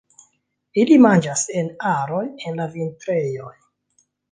Ili manĝas en aroj en la vintrejoj.